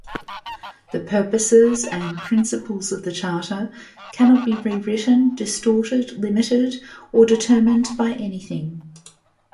The purposes and principles of the Charter cannot be rewritten, distorted, limited or determined by anything.